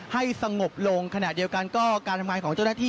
ให้สงบลงขณะเดียวกันก็การทำงานของเจ้าหน้าที่